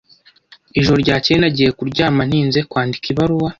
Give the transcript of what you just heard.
Ijoro ryakeye nagiye kuryama ntinze kwandika ibaruwa.